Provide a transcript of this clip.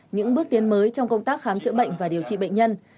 những bước tiến mới trong công tác khám chữa bệnh và điều trị bệnh nhân